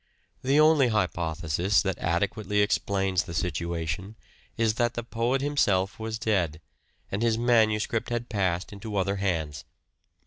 The only hypothesis that adequately explains the situation is that the poet himself was dead and his manuscript had passed into other hands.